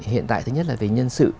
hiện tại thứ nhất là về nhân sự